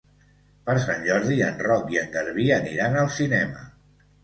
Per Sant Jordi en Roc i en Garbí aniran al cinema.